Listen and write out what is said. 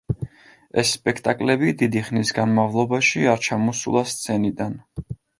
ეს სპექტაკლები დიდი ხნის განმავლობაში არ ჩამოსულა სცენიდან.